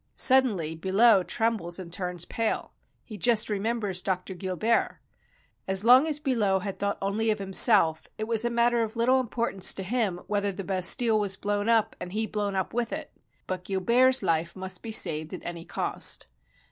Suddenly Billot trembles and turns pale; he just remem bers Dr. Gilbert. As long as Billot had thought only of himself, it was a matter of little importance to him whether the Bastille was blown up, and he blown up with it; but Gilbert's life must be saved at any cost.